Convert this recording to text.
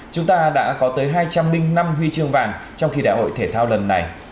chúng ta đã có tới hai trăm linh năm huy chương vàng trong kỳ đại hội thể thao lần này